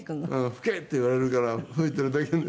吹けって言われるから吹いているだけで。